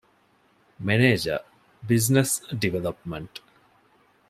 މެނޭޖަރ، ބިޒްނަސް ޑިވެލޮޕްމަންޓް